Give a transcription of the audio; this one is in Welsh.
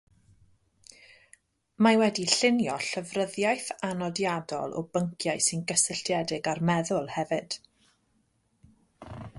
Mae wedi llunio “Llyfryddiaeth Anodiadol o Bynciau sy'n gysylltiedig â'r Meddwl”, hefyd.